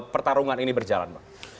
pertarungan ini berjalan pak